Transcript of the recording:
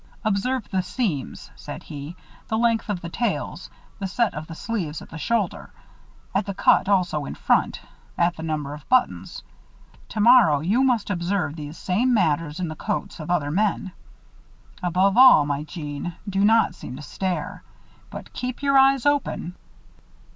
"Observe the seams," said he. "The length of the tails, the set of the sleeves at the shoulder. At the cut also in front; at the number of buttons. Tomorrow, you must observe these same matters in the coats of other men. Above all, my Jeanne, do not seem to stare. But keep your eyes open."